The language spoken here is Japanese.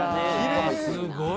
すごい！